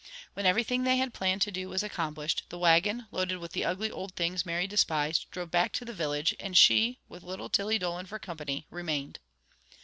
When everything they had planned to do was accomplished, the wagon, loaded with the ugly old things Mary despised, drove back to the village, and she, with little Tilly Dolan for company, remained.